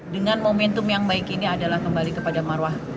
dengan momentum yang baik ini adalah kembali kepada marwah